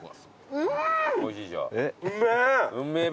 うめえ。